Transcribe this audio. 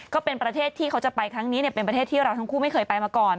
ก็เป็นประเทศที่เขาจะไปครั้งนี้เป็นประเทศที่เราทั้งคู่ไม่เคยไปมาก่อน